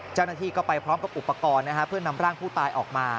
เจ้าหน้าที่ก็ไปพร้อมกับอุปกรณ์เพื่อนำร่างผู้ตายออกมา